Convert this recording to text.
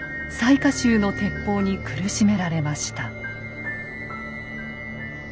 雑賀衆の鉄砲に苦しめられました。